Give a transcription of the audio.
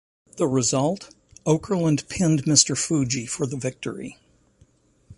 The result: Okerlund pinned Mr. Fuji for the victory.